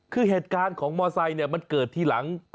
คือเหตุการณ์ของมอไซค์เนี่ย